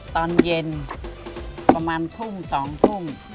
ตอนเย็นประมาณทุ่ม๒ทุ่ม